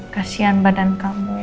kasian badan kamu